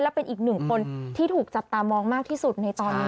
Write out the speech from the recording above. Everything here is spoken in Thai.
และเป็นอีกหนึ่งคนที่ถูกจับตามองมากที่สุดในตอนนี้